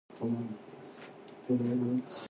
唔好食住，等我影張相打卡先。